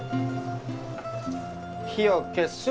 火を消す。